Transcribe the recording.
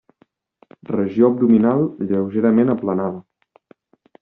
Regió abdominal lleugerament aplanada.